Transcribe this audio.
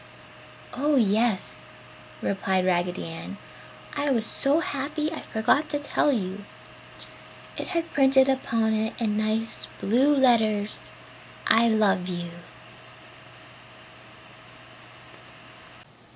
"Oh yes," replied Raggedy Ann, "I was so happy I forgot to tell you. It had printed upon it in nice blue letters, 'I LOVE YOU.'"